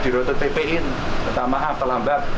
untuk ppin kita maaf terlambat